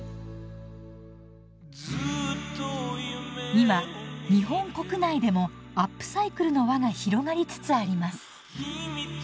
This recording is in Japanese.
今日本国内でもアップサイクルの輪が広がりつつあります。